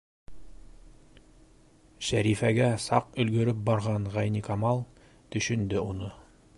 Шәрифәгә саҡ өлгөрөп барған Ғәйникамал төшөндө уны.